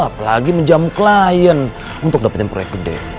apalagi menjamu klien untuk dapetin proyek gede